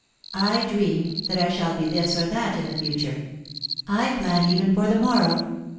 I dream that I shall be this or that in the future. I plan even for the morrow.